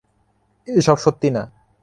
এসব সত্যি না!